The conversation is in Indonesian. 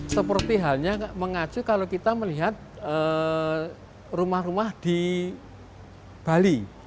seperti halnya mengacu kalau kita melihat rumah rumah di bali